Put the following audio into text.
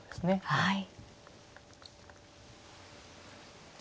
はい。